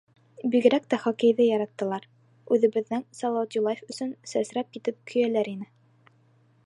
Бигерәк тә хоккейҙы яраттылар, үҙебеҙҙең «Салауат Юлаев» өсөн сәсрәп китеп көйәләр ине.